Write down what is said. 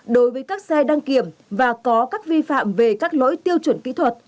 đối với các xe đăng kiểm và có các vi phạm về các lỗi tiêu chuẩn kỹ thuật